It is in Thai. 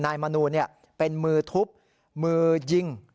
มนูลเป็นมือทุบมือยิง